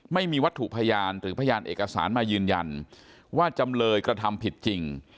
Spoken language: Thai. ไม่มีวัตถุพยานหรือพยานเอกสารมายืนยันว่าจำเลยกระทำผิดจริง